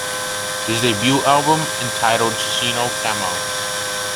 His debut album entitled Sino Camo?